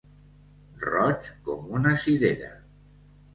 Roig com una cirera.